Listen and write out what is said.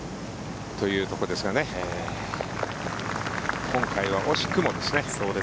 というところですが今回は惜しくも。